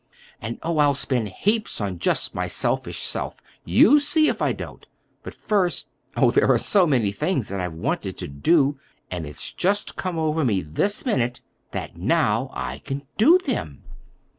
And—oh, I'll spend heaps on just my selfish self—you see if I don't! But, first,—oh, there are so many things that I've so wanted to do, and it's just come over me this minute that now I can do them!